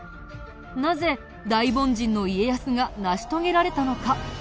なぜ大凡人の家康が成し遂げられたのか？